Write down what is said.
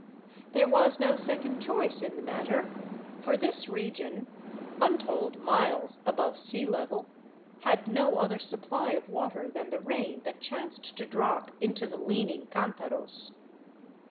There was no second choice in the matter, for this region, untold miles above sea level, had no other supply of water than the rain that chanced to drop into the leaning cantaros.